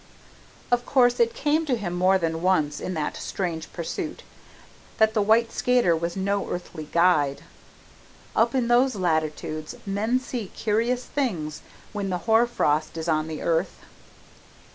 Of course it came to him more than once in that strange pursuit, that the white skater was no earthly guide. Up in those latitudes men see curious things when the hoar frost is on the earth.